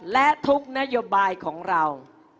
และทุกนโยบายของเรา